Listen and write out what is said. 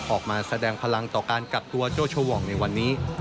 ออกมาแสดงพลังต่อการกักตัวโจ้โชว์วอร์กในวันนี้